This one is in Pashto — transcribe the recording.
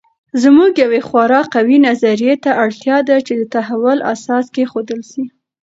زموږ یوې خورا قوي نظریې ته اړتیا ده چې د تحول اساس کېښودل سي.